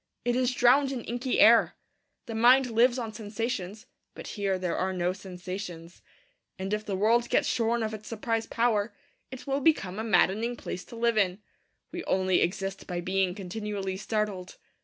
It is drowned in inky air. The mind lives on sensations; but here there are no sensations. And if the world gets shorn of its surprise power, it will become a maddening place to live in. We only exist by being continually startled.